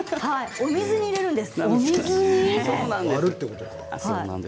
お水に入れるんです。